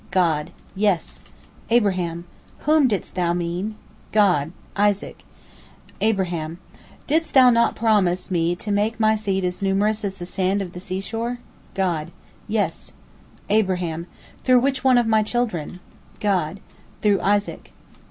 God: "Yes." Abraham: "Whom didst Thou mean?" God: "Isaac." Abraham: "Didst Thou not promise me to make my seed as numerous as the sand of the sea shore?" God: "Yes." Abraham: "Through which one of my children?" God: "Through Isaac."